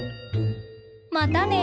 またね！